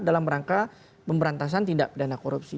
dalam rangka pemberantasan tindak pidana korupsi